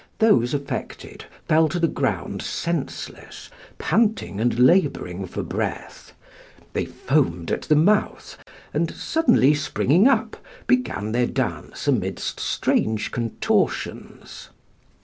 Those affected fell to the ground senseless, panting and labouring for breath. They foamed at the mouth, and suddenly springing up began their dance amidst strange contortions.